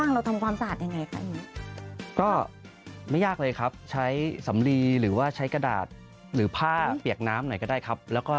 เราทำความสะอาดยังไงค่ะ